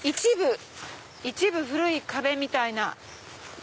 一部古い壁みたいな。